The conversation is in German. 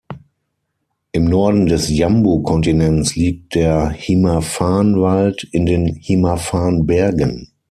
Im Norden des Jambu-Kontinents liegt der Himaphan-Wald in den Himaphan-Bergen.